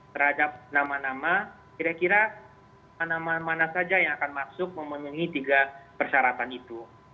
terhadap nama nama kira kira mana saja yang akan masuk memenuhi tiga persyaratan itu